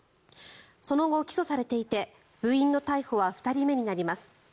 その後、起訴されていて部員の逮捕は２人目になります。